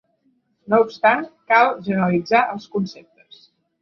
No obstant cal generalitzar els conceptes.